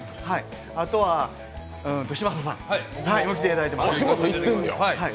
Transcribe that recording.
あとは嶋佐さんも来ていただいてます。